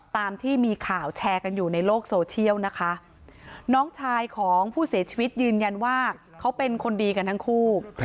ตามที่มีข่าวแชร์กันอยู่ในโลกโซเชียลนะคะน้องชายของผู้เสียชีวิตยืนยันว่าเขาเป็นคนดีกันทั้งคู่